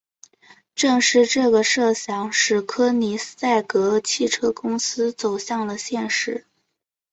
正是这个设想使柯尼塞格汽车公司走向了现实。